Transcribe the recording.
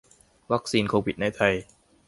วัคซีนโควิดในไทย